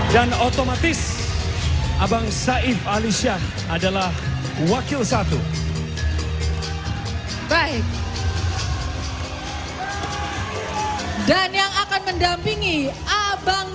dua ribu dua puluh dua dan otomatis abang saif alisyah adalah wakil satu baik dan yang akan mendampingi abang